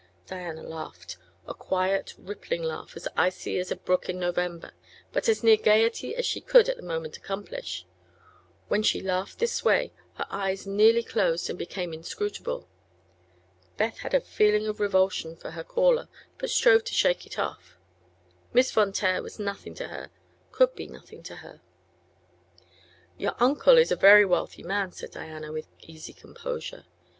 Diana laughed; a quiet, rippling laugh as icy as a brook in November, but as near gaiety as she could at the moment accomplish. When she laughed this way her eyes nearly closed and became inscrutable. Beth had a feeling of repulsion for her caller, but strove to shake it off. Miss Von Taer was nothing to her; could be nothing to her. "Your uncle is a very wealthy man," said Diana, with easy composure.